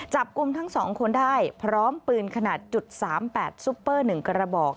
จับกลุ่มทั้ง๒คนได้พร้อมปืนขนาด๓๘ซุปเปอร์๑กระบอก